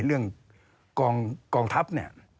เรื่องกองทัพเนี่ย